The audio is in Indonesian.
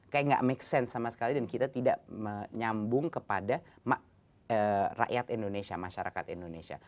kayak gak make sense sama sekali dan kita tidak menyambung kepada rakyat indonesia masyarakat indonesia